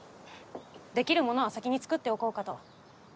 できるものは先に作っておこうかと。